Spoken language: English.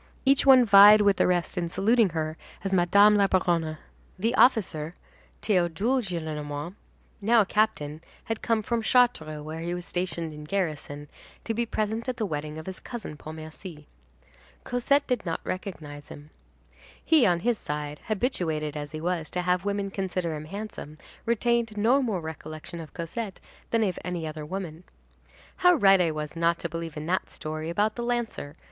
Each one vied with the rest in saluting her as Madame la Baronne. The officer, Théodule Gillenormand, now a captain, had come from Chartres, where he was stationed in garrison, to be present at the wedding of his cousin Pontmercy. Cosette did not recognize him. He, on his side, habituated as he was to have women consider him handsome, retained no more recollection of Cosette than of any other woman. "How right I was not to believe in that story about the lancer!"